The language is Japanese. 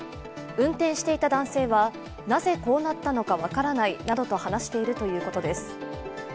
運転していた男性は、なぜこうなったのか分からないなどと話しているということです。